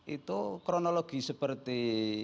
itu kronologi seperti